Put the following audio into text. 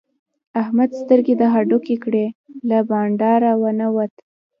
احمد سترګې د هډوکې کړې؛ له بانډاره و نه وت.